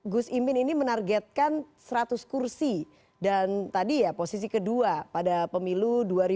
gus imin ini menargetkan seratus kursi dan tadi ya posisi kedua pada pemilu dua ribu dua puluh